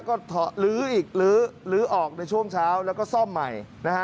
ก็ลื้อออกในช่วงเช้าแล้วก็ซ่อมใหม่